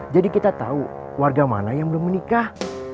jadi kita tau warga mana yang belum menikah